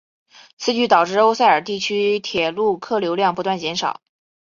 此举导致欧塞尔地区铁路客流量不断减少。